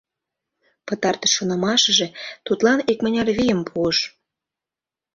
Пытартыш шонымашыже тудлан икмыняр вийым пуыш.